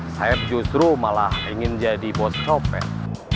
saya justru malah ingin jadi bos copet